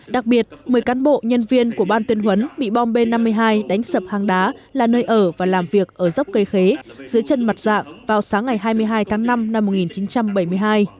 đặc biệt một mươi cán bộ nhân viên của ban tuyên huấn bị bom b năm mươi hai đánh sập hang đá là nơi ở và làm việc ở dốc cây khế dưới chân mặt dạng vào sáng ngày hai mươi hai tháng năm năm một nghìn chín trăm bảy mươi hai